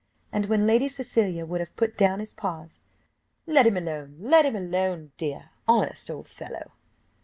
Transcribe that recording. And when Lady Cecilia would have put down his paws "Let him alone, let him alone, dear, honest, old fellow."